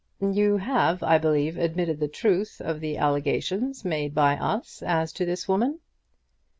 "You have, I believe, admitted the truth of the allegations made by us as to this woman."